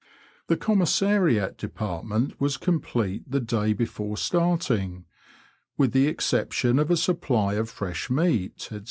The commissariat department was complete the day before starting, with the exception of a supply of fresh meat, &c.